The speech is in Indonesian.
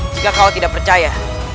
jika kau tidak percaya